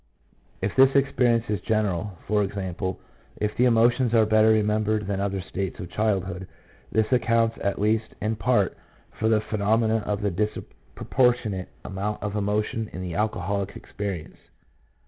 If this experience is general — i.e., if the emotions are better remembered than other states of childhood, this accounts, at least in part, for the phenomenon of the disproportionate amount of emotion in the alcoholic's experience.